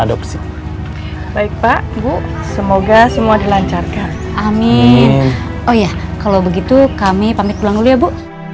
oh iya kalau begitu kami pamit pulang dulu ya bu